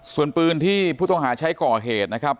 ส่วนปืนที่ผู้ต้องหาใช้ก่อเหตุนะครับ